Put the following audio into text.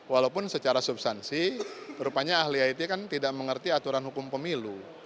walaupun secara substansi rupanya ahli it kan tidak mengerti aturan hukum pemilu